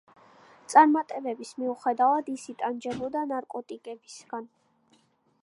წარმატების მიუხედავად ის იტანჯებოდა ნარკოტიკებისგან.